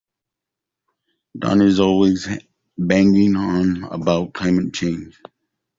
Don is always banging on about climate change.